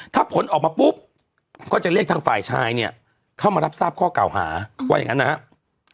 ถ้าผลออกมาปุ๊บก็จะเรียกทางฝ่ายชายเนี่ยเข้ามารับทราบข้อเก่าหาว่าอย่างนั้นนะครับ